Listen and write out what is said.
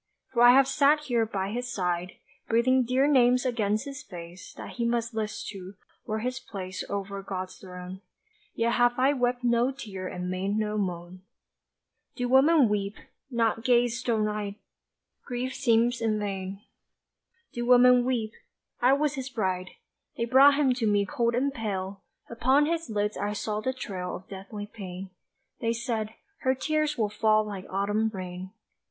For I have sat here by his side, Breathing dear names against his face, That he must list to, were his place Over God's throne Yet have I wept no tear and made no moan. Do women weep not gaze stone eyed? Grief seems in vain. Do women weep? I was his bride They brought him to me cold and pale Upon his lids I saw the trail Of deathly pain. They said, "Her tears will fall like autumn rain."